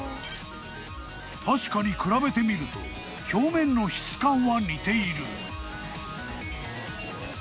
［確かに比べてみると表面の質感は似ている］